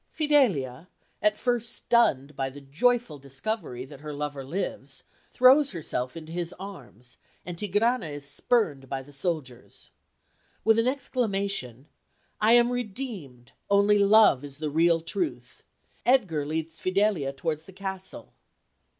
Fidelia, at first stunned by the joyful discovery that her lover lives, throws herself into his arms, and Tigrana is spurned by the soldiers. With an exclamation, "I am redeemed, only love is the real truth," Edgar leads Fidelia towards the castle.